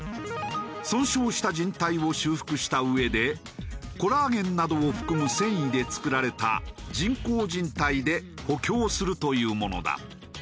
損傷したじん帯を修復したうえでコラーゲンなどを含む繊維で作られた人工じん帯で補強するというものだ。